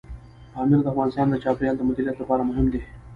پامیر د افغانستان د چاپیریال د مدیریت لپاره مهم دی.